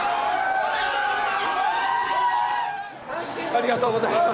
ありがとうございます！